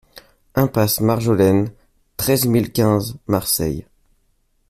Impasse Marjolaine, treize mille quinze Marseille